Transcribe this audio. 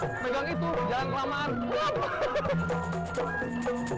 megang itu jangan kelamaan